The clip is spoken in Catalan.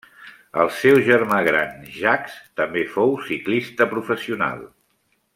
El seu germà gran Jacques, també fou ciclista professional.